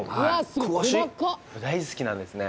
詳しい大好きなんですね